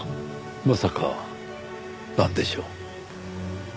まさかなんでしょう？